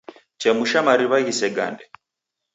Chemusha mariw'a ghisegande.